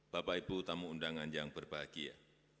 bapak ibu tamu undangan yang berbahagia